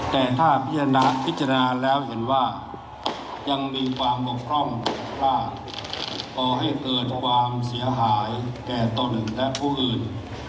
แต่ถ้าพิจารณาพิจารณาแล้วเห็นว่ายังมีความบกพร่องว่าก่อให้เกิดความเสียหายแก่ตนและผู้อื่น